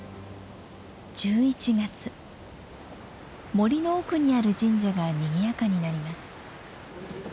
森の奥にある神社がにぎやかになります。